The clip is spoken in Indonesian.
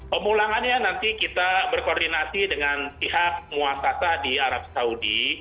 pemulangannya nanti kita berkoordinasi dengan pihak muasasah di arab saudi